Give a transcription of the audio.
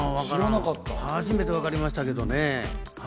初めてわかりましたけどね。